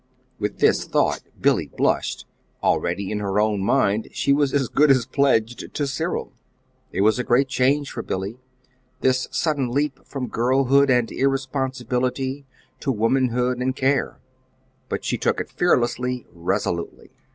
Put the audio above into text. With this thought, Billy blushed already in her own mind she was as good as pledged to Cyril. It was a great change for Billy this sudden leap from girlhood and irresponsibility to womanhood and care; but she took it fearlessly, resolutely.